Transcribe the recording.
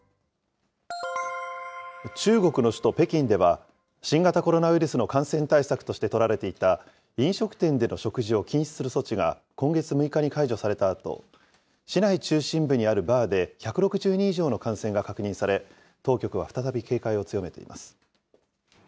中国の首都北京では、新型コロナウイルスの感染対策として取られていた、飲食店での食事を禁止する措置が、今月６日に解除されたあと、市内中心部にあるバーで１６０人以上の感染が確認され、当局は再び警戒を強めています。